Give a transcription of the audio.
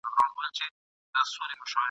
موږ به پورته کړو اوږده څانګه په دواړو !.